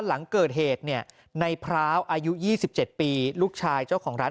หลังเกิดเหตุเนี่ยในพร้าวอายุ๒๗ปีลูกชายเจ้าของร้าน